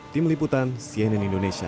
tim liputan cnn indonesia